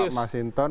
ini tuduhan serius